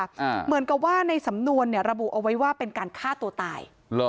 เหมือนกับว่าในสำนวนเนี่ยระบุเอาไว้ว่าเป็นการฆ่าตัวตายเหรอ